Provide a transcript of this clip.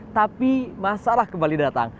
tapi masalah kembali datang